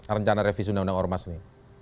rencana revisi undang undang ormas ini